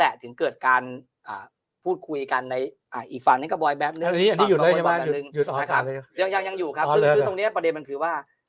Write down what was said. แหละถึงเกิดการพูดคุยกันในอีกฝั่งนี้ก็บ่อยแบบนึงยังอยู่ครับตรงนี้ประเด็นมันคือว่า